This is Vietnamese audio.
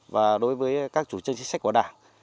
và đối với các chủ trương chính sách của đảng